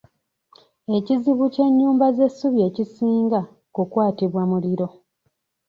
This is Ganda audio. Ekizibu ky'ennyumba z'essubi ekisinga, kukwatibwa muliro.